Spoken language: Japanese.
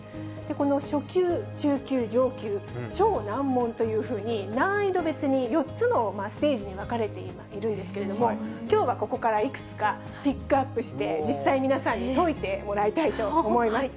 この初級、中級、上級、超難問というふうに、難易度別に４つのステージに分かれているんですけれども、きょうはここからいくつかピックアップして実際に皆さんに解いてもらいたいと思います。